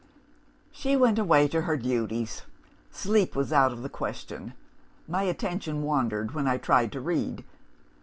"She went away to her duties. Sleep was out of the question. My attention wandered when I tried to read.